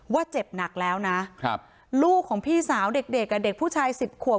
ว่าเจ็บหนักแล้วนะครับลูกของพี่สาวเด็กเด็กกับเด็กผู้ชายสิบขวบ